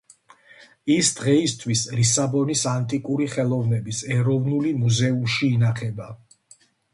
ის დღეისთვის ლისაბონის ანტიკური ხელოვნების ეროვნული მუზეუმში ინახება.